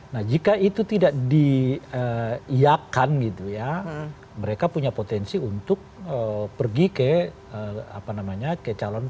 nah jika itu tidak diiakan mereka punya potensi untuk pergi ke calon presiden